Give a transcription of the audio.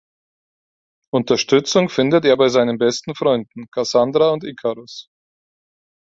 Unterstützung findet er bei seinen besten Freunden, Cassandra und Ikarus.